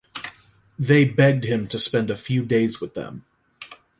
They begged him to spend a few days with them.